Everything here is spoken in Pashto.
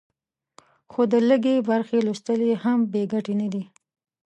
خو د لږې برخې لوستل یې هم بې ګټې نه دي.